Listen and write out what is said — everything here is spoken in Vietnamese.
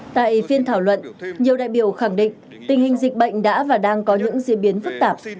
tại phiên thảo luận nhiều đại biểu khẳng định tình hình dịch bệnh đã và đang có những diễn biến phức tạp